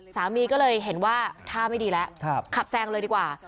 สามีก็เลยเห็นว่าท่าไม่ดีแล้วขับแซงเลยดีกว่า